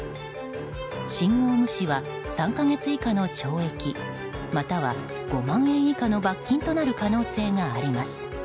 信号無視は３か月以下の懲役または５万円以下の罰金となる可能性があります。